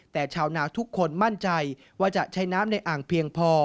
แต่ชาวนาทุกคนมั่นใจว่าจะใช้น้ำในอ่างเพียงพอ